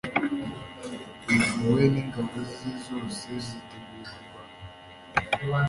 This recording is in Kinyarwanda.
yozuwe n'ingabo zose ziteguye kurwana